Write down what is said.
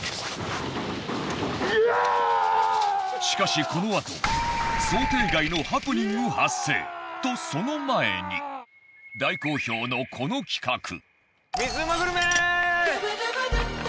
しかしこのあと想定外のハプニング発生。とその前に大好評のこの企画。